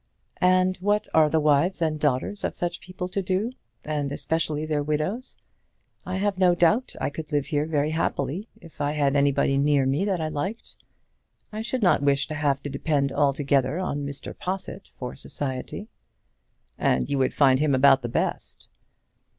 "And what are the wives and daughters of such people to do, and especially their widows? I have no doubt I could live here very happily if I had anybody near me that I liked. I should not wish to have to depend altogether on Mr. Possitt for society." "And you would find him about the best."